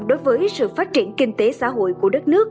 đối với sự phát triển kinh tế xã hội của đất nước